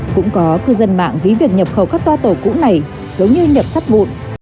cũng có cư dân mạng ví việc nhập khẩu các toa tàu cũ này giống như nhập sắt vụn